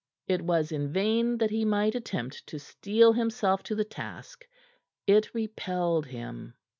It was in vain that he might attempt to steel himself to the task. It repelled him.